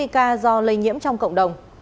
một trăm bốn mươi ca do lây nhiễm trong cộng đồng